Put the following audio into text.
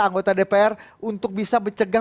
anggota dpr untuk bisa mencegah